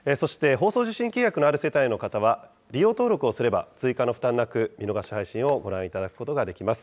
そして放送受信契約のある世帯の方は、利用登録をすれば追加の負担なく見逃し配信をご覧いただくことができます。